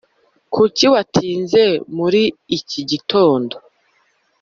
kuki watinze muri iki gitondo?